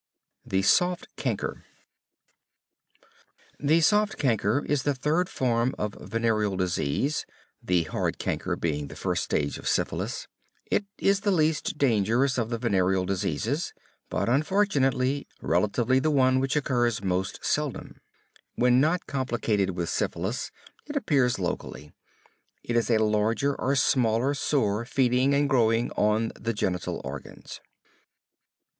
THE SOFT CHANCRE The soft chancre is the third form of venereal disease (the hard chancre being the first stage of syphilis). It is the least dangerous of the venereal diseases, but unfortunately, relatively the one which occurs most seldom. When not complicated with syphilis, it appears locally. It is a larger or smaller sore feeding and growing on the genital organs.